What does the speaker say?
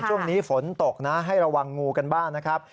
ช่วงนี้ฝนตกนะให้ระวังงูกันบ้างนะครับ